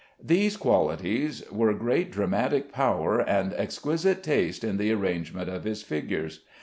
These qualities were great dramatic power and exquisite taste in the arrangement of his figures.